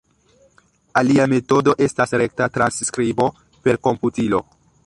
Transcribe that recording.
Alia metodo estas rekta transskribo per komputilo.